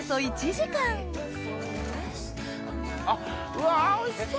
うわおいしそう！